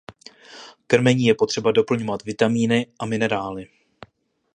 Krmení je potřeba doplňovat vitamíny a minerály.